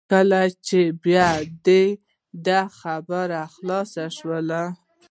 کله چې بیا د ده خبره خلاصه شول.